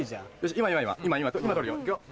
今今今撮るよいくよ。